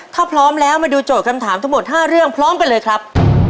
ถ้าพร้อมแล้วมาดูโจทย์คำถามทั้งหมด๕เรื่องพร้อมกันเลยครับ